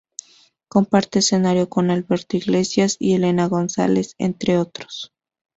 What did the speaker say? Comparte escenario con Alberto Iglesias y Elena González, entre otros.